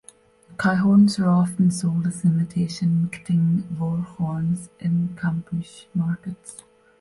Cow horns are often sold as imitation kting voar horns in Kampuche markets.